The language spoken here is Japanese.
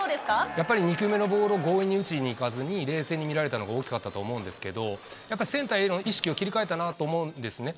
やっぱり２球目のボールを強引に打ちにいかずに、冷静に見られたのが大きかったと思うんですけど、やっぱセンターへの意識を切り替えたなと思うんですね。